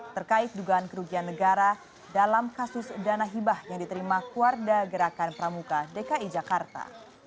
terkait dugaan kerugian negara dalam kasus dana hibah yang diterima kuarda gerakan pramuka dki jakarta